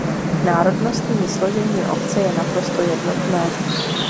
Národnostní složení obce je naprosto jednotné.